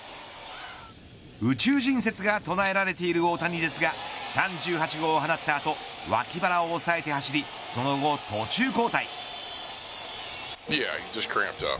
宇宙人説が唱えられている大谷ですが３８号を放った後脇腹を抑えて走りその後、途中交代。